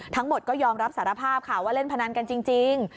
ทั้งหมดก็ยอมรับสารภาพค่ะว่าเล่นพนันกันจริง